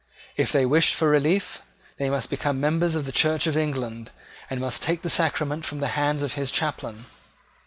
If they wished for relief, they must become members of the Church of England, and must take the sacrament from the hands of his chaplain.